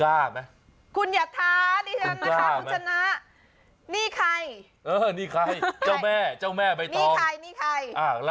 แล้วรู้ไหมว่ามีใคร